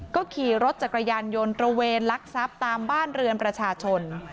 ก็ขี่รถจักรยานยนต์ตระเวนลักทรัพย์ตามบ้านเรือนประชาชน